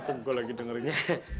punggel lagi dengarnya